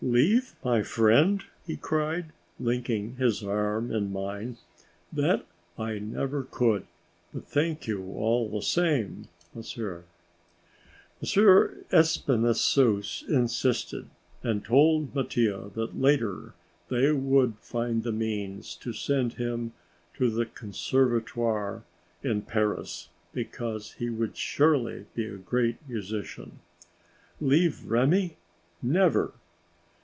"Leave my friend?" he cried, linking his arm in mine; "that I never could, but thank you all the same, Monsieur." M. Espinassous insisted, and told Mattia that later they would find the means to send him to the Conservatoire in Paris, because he would surely be a great musician! "Leave Remi? never!"